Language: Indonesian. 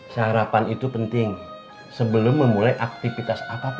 sarapan itu penting sebelum memulai aktivitas apapun